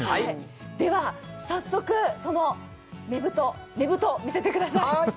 では早速、そのねぶと、見せてください。